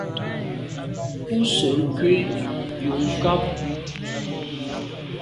Ú sə̂’ nkwé yu nkàb.